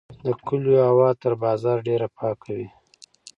د کلیو هوا تر بازار ډیره پاکه وي.